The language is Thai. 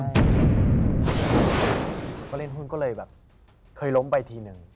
เพราะเล่นหุ้นก็เลยแบบเคยล้มไปทีนึง